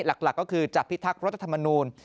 หลักก็คือจะพิทักษ์รัฐธรรมนูล